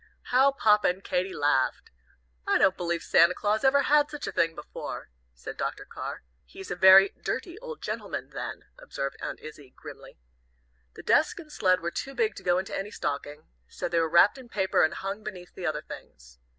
How Papa and Katy laughed! "I don't believe Santa Claus ever had such a thing before," said Dr. Carr. "He's a very dirty old gentleman, then," observed Aunt Izzie, grimly. The desk and sled were too big to go into any stocking, so they were wrapped in paper and hung beneath the other things.